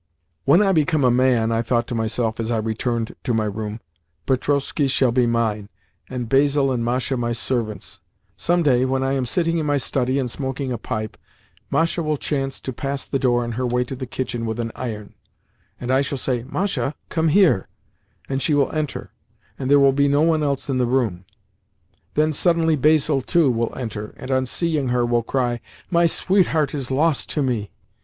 "When I become a man," I thought to myself as I returned to my room, "Petrovskoe shall be mine, and Basil and Masha my servants. Some day, when I am sitting in my study and smoking a pipe, Masha will chance to pass the door on her way to the kitchen with an iron, and I shall say, 'Masha, come here,' and she will enter, and there will be no one else in the room. Then suddenly Basil too will enter, and, on seeing her, will cry, 'My sweetheart is lost to me!